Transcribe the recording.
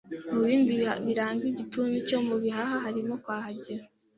Mu bindi biranga igituntu cyo mu bihaha harimo kwahagira